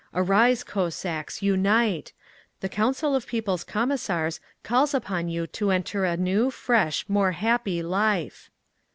Arise, Cossacks! Unite! The Council of People's Commissars calls upon you to enter a new, fresh, more happy life.